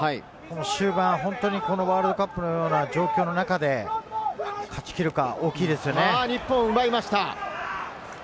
終盤、本当にワールドカップのような状況の中で勝ち切るか、日本が奪いました！